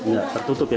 ya tertutup ya